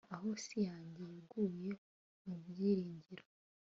aho isi yanjye yaguye mubyiringiro